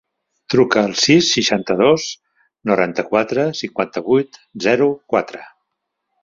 Truca al sis, seixanta-dos, noranta-quatre, cinquanta-vuit, zero, quatre.